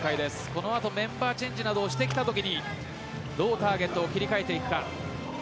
この後、メンバーチェンジをしてきたときにどうターゲットを切り替えていくか。